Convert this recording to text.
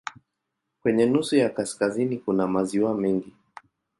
Kwenye nusu ya kaskazini kuna maziwa mengi.